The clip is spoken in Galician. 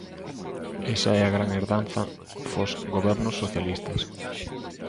Esa é a gran herdanza fos gobernos socialistas.